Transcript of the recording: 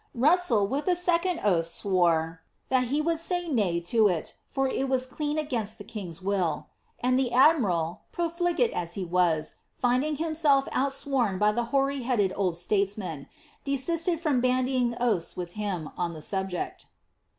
''' RusAclK with a second oath, swore, ^ that he would say nay to it, for it was rlpaii airainst the king's will ;" and the admiral, profligate as he VIS, finding himself outswom by the hoary headed old statesman, de wted from bandying oaths with him on the subject.